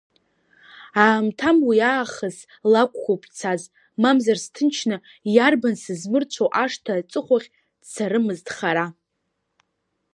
Аамҭам уи аахыс лакәқәоуп ицаз, мамзар сҭынчны, иарбан сызмырцәо ашҭа аҵыхәахь дцарымызт хара…